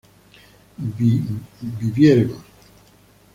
viviéremos